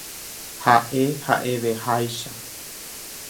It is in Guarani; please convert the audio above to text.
Ha'e ha'eveháicha.